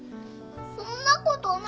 そんなことない。